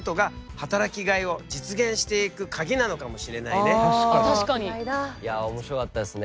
いや面白かったですね。